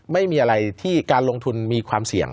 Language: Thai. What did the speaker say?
ไม่มีอะไรที่การลงทุนมีความเสี่ยง